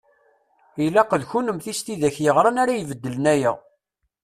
Ilaq d kunemti s tidak yeɣran ara ibeddlen aya.